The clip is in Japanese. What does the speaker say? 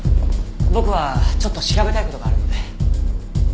僕はちょっと調べたい事があるので。